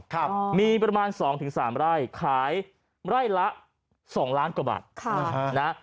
ครับมีประมาณสองถึงสามไร่ขายไร่ละสองล้านกว่าบาทค่ะนะฮะ